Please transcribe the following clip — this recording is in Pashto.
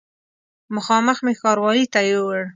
مخامخ مې ښاروالي ته یووړ.